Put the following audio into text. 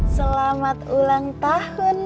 selamat ulang tahun mas